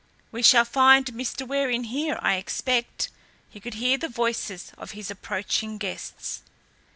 "We shall find Mr. Ware in here, I expect." He could hear the voices of his approaching guests.